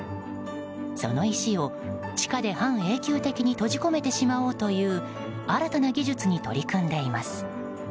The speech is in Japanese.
その石を地下で半永久的に閉じ込めてしまおうという新たな技術に取り組んでいます。